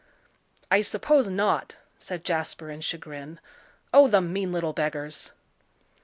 "I suppose not," said Jasper in chagrin. "Oh, the mean little beggars!"